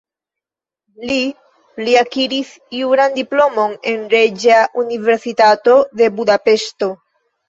Li li akiris juran diplomon en Reĝa Universitato de Budapeŝto.